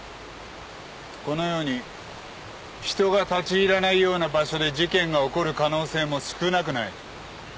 このように人が立ち入らないような場所で事件が起こる可能性も少なくない。